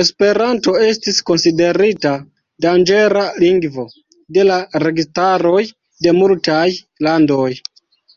Esperanto estis konsiderita "danĝera lingvo" de la registaroj de multaj landoj.